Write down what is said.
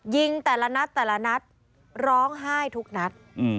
ยิงแต่ละนัดแต่ละนัดร้องไห้ทุกนัด